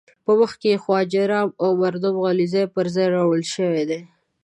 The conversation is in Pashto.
په مخ کې خواجه رام از مردم غلزی پر ځای راوړل شوی دی.